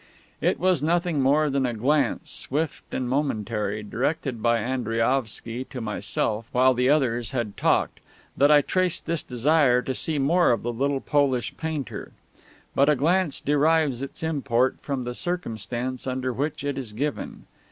It was to nothing more than a glance, swift and momentary, directed by Andriaovsky to myself while the others had talked, that I traced this desire to see more of the little Polish painter; but a glance derives its import from the circumstance under which it is given.